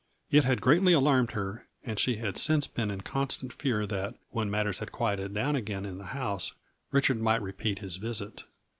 It had greatly alarmed her, and she had since been in constant fear that, when matters had quieted down again in the house, Richard might repeat his visit.